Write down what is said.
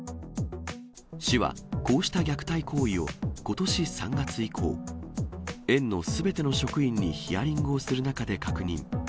市はこうした虐待行為をことし３月以降、園のすべての職員にヒアリングをする中で確認。